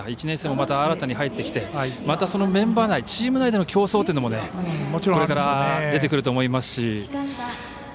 １年生も、また新たに入ってきてメンバー内チーム内での競争というのもこれから出てくると思いますし。